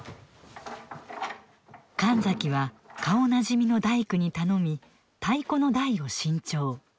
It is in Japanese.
神崎は顔なじみの大工に頼み太鼓の台を新調。